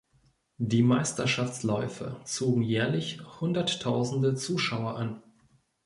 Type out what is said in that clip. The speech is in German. Die Meisterschaftsläufe zogen jährlich hunderttausende Zuschauer an.